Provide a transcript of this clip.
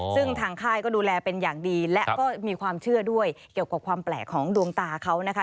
ซึ่งทางค่ายก็ดูแลเป็นอย่างดีและก็มีความเชื่อด้วยเกี่ยวกับความแปลกของดวงตาเขานะคะ